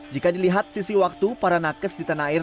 jika dilihat sisi waktu para nakes di tanah air